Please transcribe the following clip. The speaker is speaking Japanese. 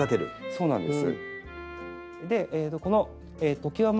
そうなんです。